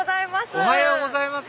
おはようございます